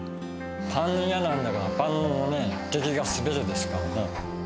パン屋なんだから、パンの出来がすべてですからね。